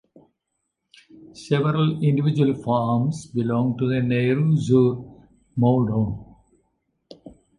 Several individual farms belong to the Neyruz-sur-Moudon.